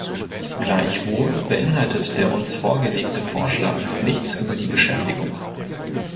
Gleichwohl beinhaltet der uns vorgelegte Vorschlag nichts über die Beschäftigung.